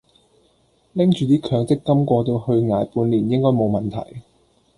拎住啲強積金過到去捱半年應該冇問題